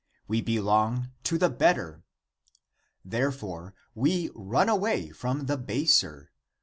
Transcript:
We belong to the better. Therefore, we run away from the baser.